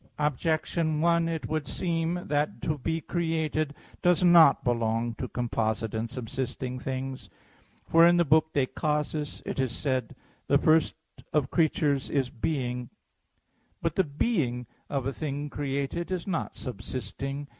Objection 1: It would seem that to be created does not belong to composite and subsisting things. For in the book, De Causis (prop. iv) it is said, "The first of creatures is being." But the being of a thing created is not subsisting.